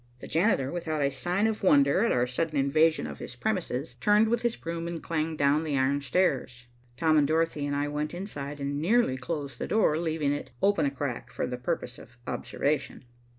The janitor, without a sign of wonder at our sudden invasion of his premises, turned with his broom and clanged down the iron stairs. Tom, Dorothy and I went inside and nearly closed the door, leaving it open a crack for the purpose of observation.